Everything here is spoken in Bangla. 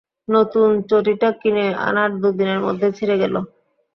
নতুন চটিটা কিনে আনার দুদিনের মধ্যেই ছিড়ে গেল!